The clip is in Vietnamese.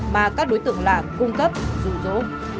mà các đối tượng làm cung cấp dù dố